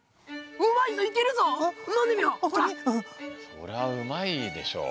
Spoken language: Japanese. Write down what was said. そりゃうまいでしょう。